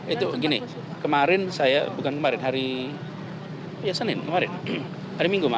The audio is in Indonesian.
itu gini kemarin saya bukan kemarin hari senin kemarin hari minggu mas